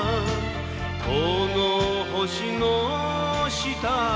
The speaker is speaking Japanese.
「この星の下で」